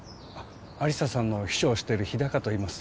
亜理紗さんの秘書をしてる日高といいます